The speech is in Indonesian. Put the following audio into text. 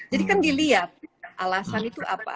jadi kan dilihat alasan itu apa